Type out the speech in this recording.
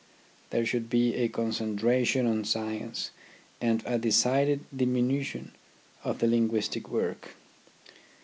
There should be a concentration on science and a decided diminution of the linguistic work.